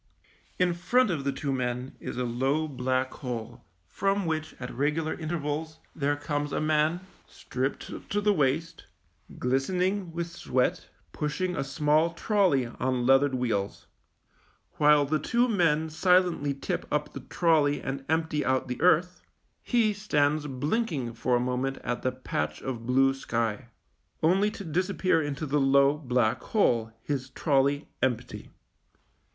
In front of the two men is a low black hole from which at regular intervals there comes a man, stripped to the waist, glistening with sweat, pushing a small trolley on leathered THE MINE 93 wheels. While the two men silently tip up the trolley and empty out the earth, he stands blinking for a moment at the patch of blue sky, only to disappear into the low, black hole, his trolley empty.